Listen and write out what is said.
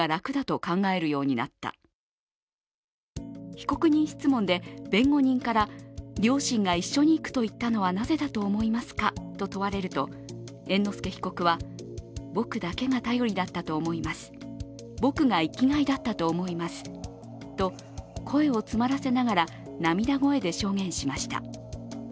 被告人質問で弁護人から、両親が一緒に逝くと言ったのはなぜだと思いますかと問われると猿之助被告は僕だけが頼りだったと思います、僕が生きがいだったと思いますと声を詰まらせながら涙声で証言しました。